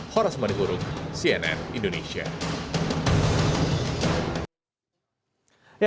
horosman uruk cnn indonesia